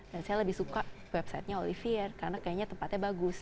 dan saya lebih suka website nya olivier karena kayaknya tempatnya bagus